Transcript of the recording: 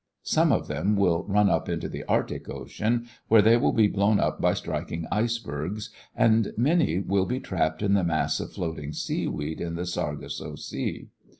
(See Fig. 23.) Some of them will run up into the Arctic Ocean, where they will be blown up by striking icebergs and many will be trapped in the mass of floating seaweed in the Sargasso Sea.